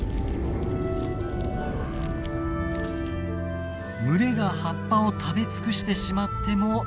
群れが葉っぱを食べ尽くしてしまっても大丈夫。